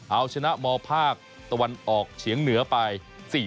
เอาชนะมภาคตะวันออกเฉียงเหนือไป